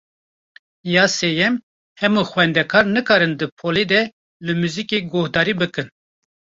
Ya sêyem, hemû xwendekar nikarin di polê de li muzîkê guhdarî bikin.